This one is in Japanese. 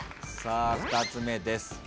さあ２つ目です。